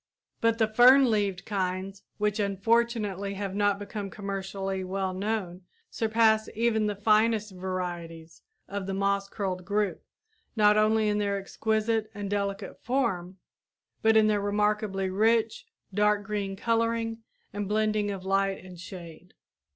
But the fern leaved kinds, which unfortunately have not become commercially well known, surpass even the finest varieties of the moss curled group, not only in their exquisite and delicate form, but in their remarkably rich, dark green coloring and blending of light and shade.